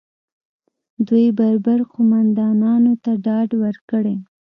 دوی بربر قومندانانو ته ډاډ ورکړي